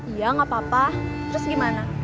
iya nggak apa apa terus gimana